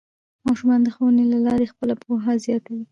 ماشومان د ښوونې له لارې خپله پوهه زیاتوي